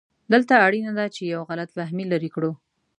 دلته اړینه ده چې یو غلط فهمي لرې کړو.